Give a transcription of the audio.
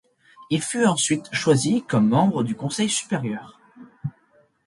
Il fut ensuite choisi comme membre du Conseil supérieur.